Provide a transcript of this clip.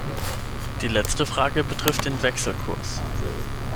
Die letzte Frage betrifft den Wechselkurs.